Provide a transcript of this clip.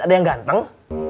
ada yang ganteng